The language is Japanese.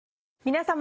皆様。